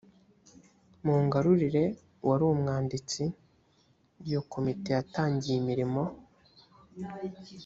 mungarurire wari umwanditsi iyo komite yatangiye imirimo